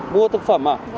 mua thực phẩm à